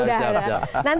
nanti ada imbalan